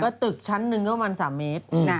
ก็ตึกชั้นหนึ่งก็ประมาณ๓เมตร